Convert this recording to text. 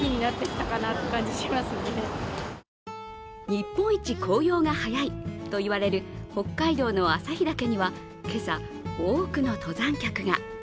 日本一紅葉が早いと言われる北海道の旭岳には今朝、多くの登山客が。